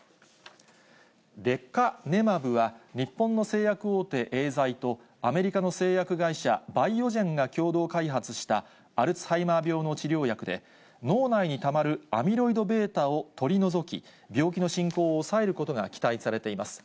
レカネマブは、日本の製薬大手、エーザイと、アメリカの製薬会社、バイオジェンが共同開発した、アルツハイマー病の治療薬で、脳内にたまるアミロイドβを取り除き、病気の進行を抑えることが期待されています。